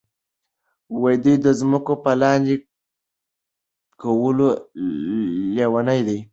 دوی د ځمکو په لاندې کولو لیوني دي.